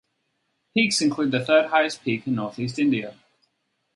Peaks include the third highest peak in northeast India.